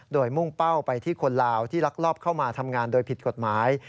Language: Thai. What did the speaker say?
โดยมุ่งเป้าไปที่คนลาวที่ลักลอบเข้ามาทำงานโดยผิดกฎหมาย